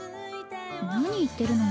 何言ってるの。